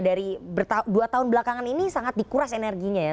dari dua tahun belakangan ini sangat dikuras energinya ya